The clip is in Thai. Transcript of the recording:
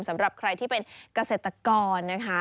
สำหรับใครที่เป็นเกษตรกรนะคะ